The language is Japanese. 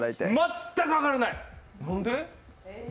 全く上がらない！